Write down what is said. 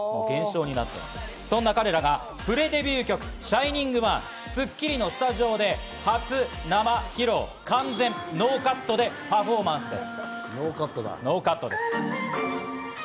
そんな彼らがプレデビュー曲『ＳｈｉｎｉｎｇＯｎｅ』、『スッキリ』のスタジオで初生披露、完全ノーカットでパフォーマンスです。